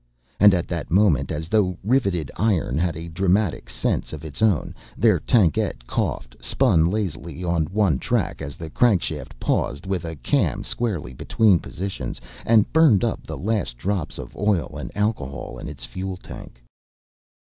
And at that moment, as though rivetted iron had a dramatic sense of its own, their tankette coughed, spun lazily on one track as the crankshaft paused with a cam squarely between positions, and burned up the last drops of oil and alcohol in its fuel tank.